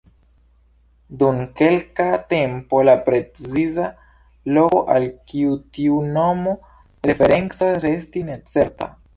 Dum kelka tempo la preciza loko al kiu tiu nomo referencas restis necerta.